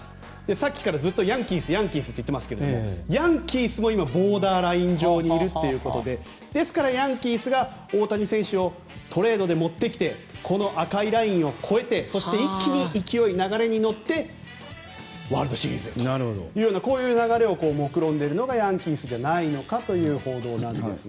さっきからずっとヤンキースと言っていますがヤンキースも今ボーダーライン上にいるということでですからヤンキースが大谷選手をトレードで持ってきてこの赤いラインを超えてそして一気に勢い、流れに乗ってワールドシリーズという流れをもくろんでいるのがヤンキースじゃないのかという報道なんですが。